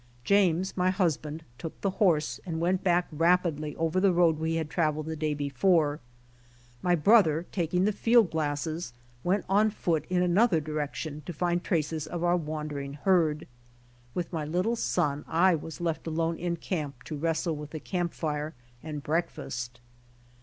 James, my husband, took the horse and went back rapidly over the road we had traveled the day before My brother, taking the field glasses, went on foot in another direction to find traces of our wandering herd. With my little son I was left alone in camp to wrestle with the campfire and breakfast.